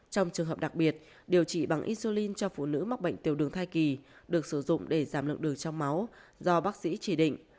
trong trường hợp đặc biệt điều trị bằng insolin cho phụ nữ mắc bệnh tiểu đường thai kỳ được sử dụng để giảm lượng đường trong máu do bác sĩ chỉ định